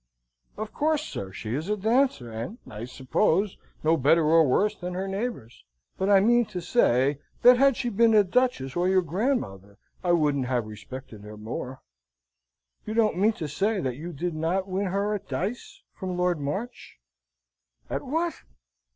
"Of course, sir, she is a dancer, and, I suppose, no better or worse than her neighbours. But I mean to say that, had she been a duchess, or your grandmother, I couldn't have respected her more." "You don't mean to say that you did not win her at dice, from Lord March?" "At what?"